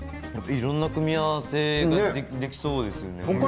いろんな組み合わせができそうですよね。